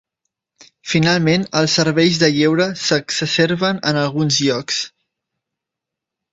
Finalment, els serveis de lleure s'exacerben en alguns llocs.